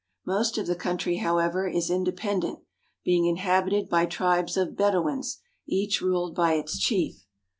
Most of the country, however, is independent, being inhabited by tribes of Bedouins, each ruled by its chief.